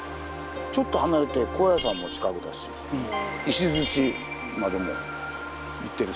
ちょっと離れて高野山も近くだし石までも行ってる。